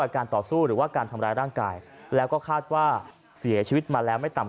การต่อสู้หรือว่าการทำร้ายร่างกายแล้วก็คาดว่าเสียชีวิตมาแล้วไม่ต่ำ